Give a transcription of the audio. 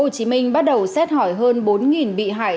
hồ chí minh bắt đầu xét hỏi hơn bốn bị hại